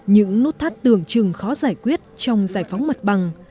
những nút thắt tường trường khó giải quyết trong giải phóng mặt băng